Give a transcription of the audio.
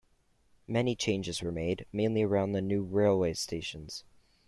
Many changes were made, mainly around the new railway stations.